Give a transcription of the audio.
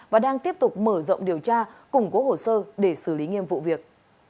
và đang tiếp tục mở rộng điều tra củng cố hồ sơ để xử lý nghiêm vụ việc